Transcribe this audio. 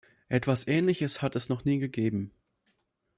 Etwas ähnliches hat es noch nie gegeben.